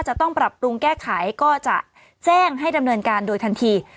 จะต้องปรับปรุงแก้ไขก็จะแจ้งให้ดำเนินการโดยทันที